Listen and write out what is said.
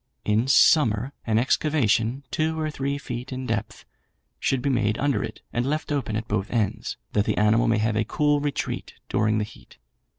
In summer an excavation, two or three feet in depth, should be made under it, and left open at both ends, that the animal may have a cool retreat during the heat.